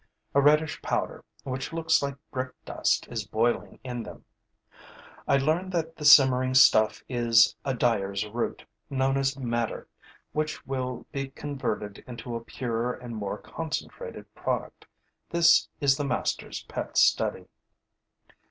A reddish powder, which looks like brick dust, is boiling in them. I learn that the simmering stuff is a dyer's root, known as madder, which will be converted into a purer and more concentrated product. This is the master's pet study.